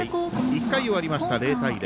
１回終わりました、０対０。